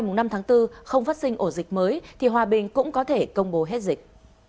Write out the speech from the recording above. nếu đến ngày mai năm tháng bốn không phát sinh ổ dịch mới thì hòa bình cũng có thể công bố hết dịch